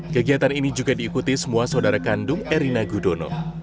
kegiatan ini juga diikuti semua saudara kandung erina gudono